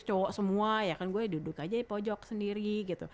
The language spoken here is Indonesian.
cowok semua ya kan gue duduk aja di pojok sendiri gitu